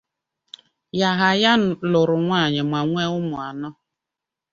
Yahaya lụrụ nwanyị ma nwee ụmụ anọ.